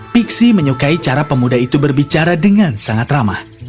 pixi menyukai cara pemuda itu berbicara dengan sangat ramah